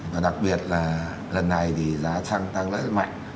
và đặc biệt là lần này thì giá xăng tăng rất mạnh